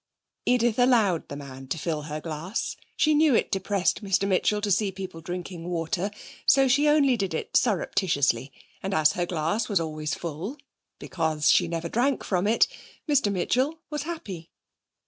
Edith allowed the man to fill her glass. She knew it depressed Mr Mitchell to see people drinking water. So she only did it surreptitiously, and as her glass was always full, because she never drank from it, Mr Mitchell was happy.